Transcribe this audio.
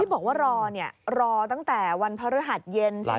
บอกว่ารอรอตั้งแต่วันพระฤหัสเย็นใช่ไหม